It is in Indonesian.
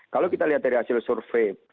kalau kita lihat dari hasil survei